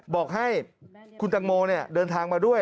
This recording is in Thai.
บอกให้คุณตังโมเดินทางมาด้วย